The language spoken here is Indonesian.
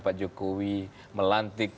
pak jokowi melantik